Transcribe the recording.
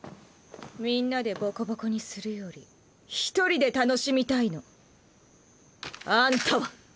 みんなでボコボコにするより一人で楽しみたいのあんたは。